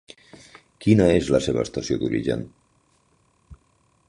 Quina és la seva estació d'origen?